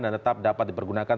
dan tetap dapat dipergunakan